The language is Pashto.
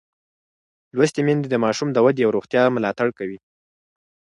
لوستې میندې د ماشوم د ودې او روغتیا ملاتړ کوي.